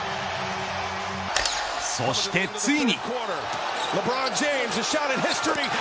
そしてついに。